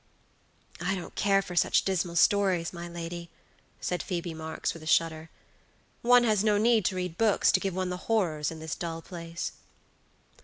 "I don't care for such dismal stories, my lady," said Phoebe Marks with a shudder. "One has no need to read books to give one the horrors in this dull place."